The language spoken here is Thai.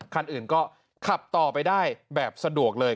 คันอื่นก็ขับต่อไปได้แบบสะดวกเลย